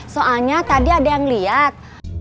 soalnya tadi ada yang lihat